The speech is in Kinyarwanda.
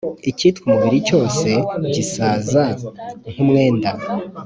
Icyitwa umubiri cyose gisaza nk’umwenda,